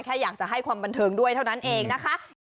ก็จะมีความเชื่อในเรื่องด้วยเท่านั้นเองนะคะ